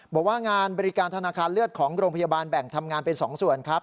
บอกว่างานบริการธนาคารเลือดของโรงพยาบาลแบ่งทำงานเป็น๒ส่วนครับ